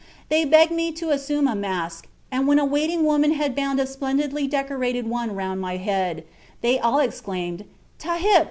They begged me to assume a mask, and when a waiting woman had bound a splendidly decorated one round my head, they all exclaimed: 'Tahip!